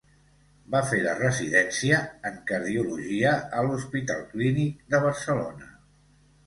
Va fer la residència en Cardiologia a l'Hospital Clínic de Barcelona.